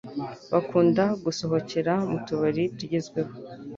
Bakunda gusohokera mu tubari tugezweho